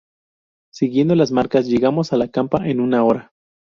Siguiendo las marcas llegamos a la campa en una hora.